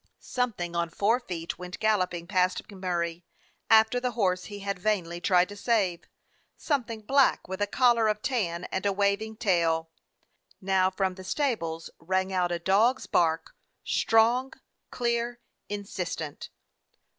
Something on four feet went galloping past MacMurray, after the horse he had vainly tried to save; something black, with a collar of tan and a waving tail. Now from the sta bles rang out a dog's bark, strong, clear, insistent.